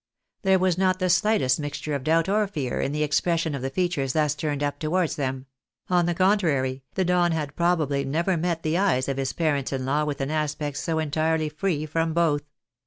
There was not the slightest mixture of doubt or fear in the expression of the features thus turned up towards them ; on the contrary, the Don had probably never met the eyes of his parents in law with an aspect so entirely free from both.